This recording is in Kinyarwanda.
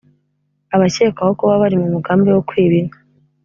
Abacyekwaho kuba bari mu mugambi wo kwiba inka